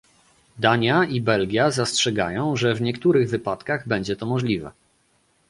Dania i Belgia zastrzegają, że w "niektórych wypadkach" będzie to możliwe